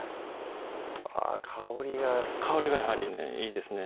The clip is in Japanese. あ香りが香りがやはりいいですね